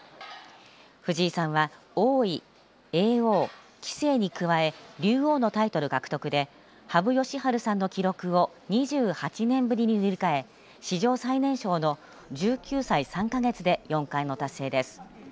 藤井さんは、王位、叡王棋聖に加え竜王のタイトル獲得で羽生善治さんの記録を２８年ぶりに塗り替え史上最年少の１９歳３か月で四冠の達成です。